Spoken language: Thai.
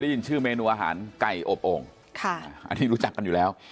ได้ยินชื่อเมนูอาหารไก่อบโอ่งที่รู้จักกันอยู่แล้ว